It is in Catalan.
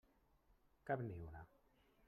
Cap ni una.